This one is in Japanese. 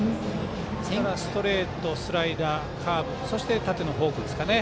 ストレート、スライダーカーブそして縦のフォークですかね。